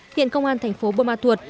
hiện công an thành phố buôn ma thuột